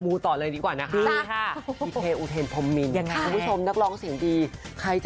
มูต่อเลยนะครับ